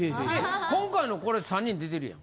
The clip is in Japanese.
今回のこれ３人出てるやん。